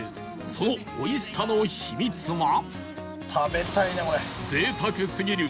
その美味しさの秘密は